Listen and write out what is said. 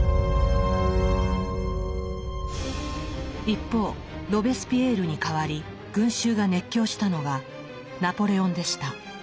一方ロベスピエールに代わり群衆が熱狂したのがナポレオンでした。